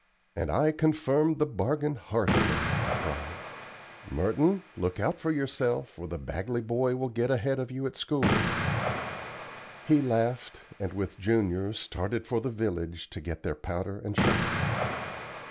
"And I confirm the bargain heartily," I cried. "Merton, look out for yourself, or the Bagley boy will get ahead of you at school." He laughed and, with Junior, started for the village, to get their powder and shot.